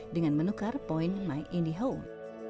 dengan menukar poin my indihome